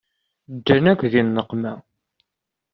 Ddan-ak di nneqma.